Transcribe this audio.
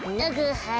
はい！